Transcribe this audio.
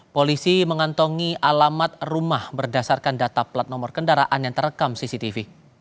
polisi mengantongi alamat rumah berdasarkan data plat nomor kendaraan yang terekam cctv